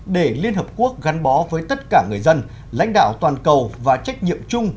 để liên hợp quốc gắn bó với tất cả người dân lãnh đạo toàn cầu và trách nhiệm chung